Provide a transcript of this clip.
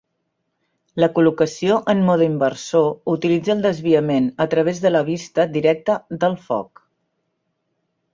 La col·locació en mode inversor utilitza el desviament a través de la vista directa del foc.